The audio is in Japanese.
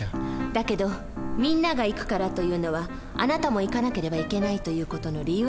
だけど「みんなが行くから」というのは「あなたも行かなければいけない」という事の理由にはならない。